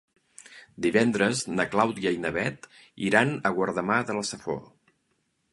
Divendres na Clàudia i na Bet iran a Guardamar de la Safor.